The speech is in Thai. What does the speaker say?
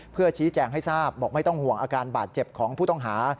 เพื่อชี้แจงให้ทราบบอกไม่ต้องห่วงอาการบาดเจ็บของผู้ต้องหา